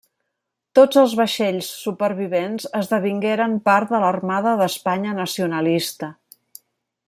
Tots els vaixells supervivents esdevingueren part de l'Armada d'Espanya Nacionalista.